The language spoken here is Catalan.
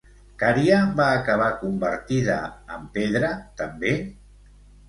Cària va acabar convertida en pedra també?